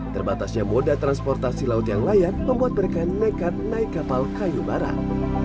terbatasnya moda transportasi laut yang layak membuat mereka nekat naik kapal kayu barang